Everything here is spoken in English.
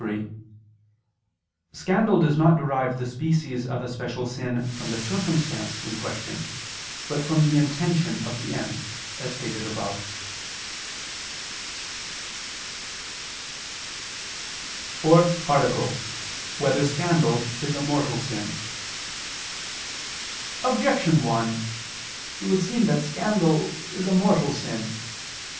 3: Scandal does not derive the species of a special sin from the circumstance in question, but from the intention of the end, as stated above. _______________________ FOURTH ARTICLE [II II, Q. 43, Art. 4] Whether Scandal Is a Mortal Sin? Objection 1: It would seem that scandal is a mortal sin.